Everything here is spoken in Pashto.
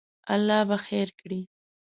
الله به خیر کړی